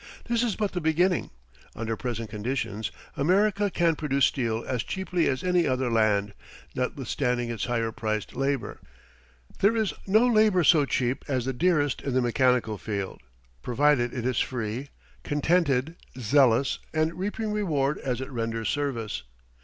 This is but the beginning. Under present conditions America can produce steel as cheaply as any other land, notwithstanding its higher priced labor. There is no labor so cheap as the dearest in the mechanical field, provided it is free, contented, zealous, and reaping reward as it renders service.